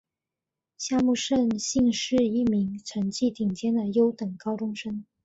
夏木胜幸是一名成绩顶尖的优等高中生。